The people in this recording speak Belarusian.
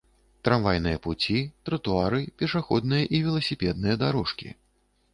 Трамвайныя пуці, тратуары, пешаходныя і веласіпедныя дарожкі